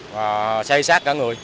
và xây xác cả người